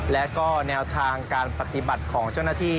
และก็แนวทางการปฏิบัติของเจ้าหน้าที่